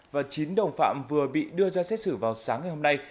và chín đồng phạm vừa bị đưa ra xét xử vào sáng ngày hôm nay